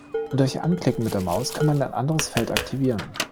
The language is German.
Durch Anklicken mit der Maus kann man ein anderes Feld aktivieren.